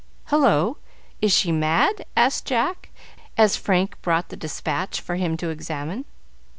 "Hullo! Is she mad?" asked Jack, as Frank brought the despatch for him to examine.